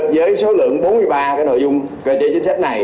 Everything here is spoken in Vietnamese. với số lượng bốn mươi ba nội dung về chính sách này